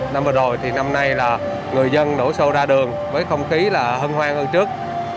năm vừa rồi thì năm nay là người dân đổ xô ra đường với không khí là hân hoan hơn trước